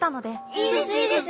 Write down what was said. いいですいいです！